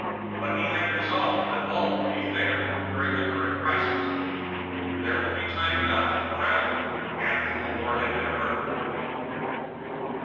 But he had resolved that all would be fair during the current crisis. There would be time enough for morality after war had been averted.